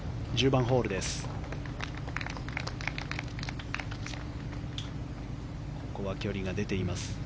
１０番ホールです。